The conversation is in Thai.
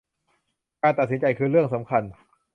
การตัดสินใจคือเรื่องสำคัญ